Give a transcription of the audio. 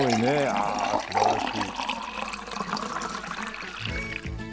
ああ素晴らしい。